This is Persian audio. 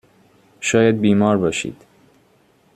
شاید بیمار باشید.